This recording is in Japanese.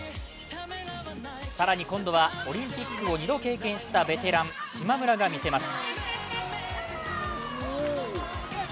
更に今度はオリンピックを２度経験したベテラン・島村が見せます！